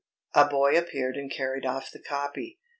A boy appeared and carried off the copy.